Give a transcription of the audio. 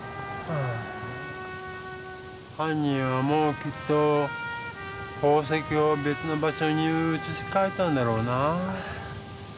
はん人はもうきっと宝石をべつの場所にうつしかえたんだろうな。